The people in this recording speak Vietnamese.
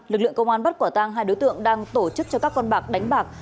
lực lượng công an bắt quả tang hai đối tượng đang tổ chức cho các con bạc đánh bạc